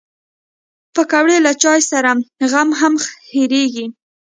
پکورې له چای سره غم هم هېرېږي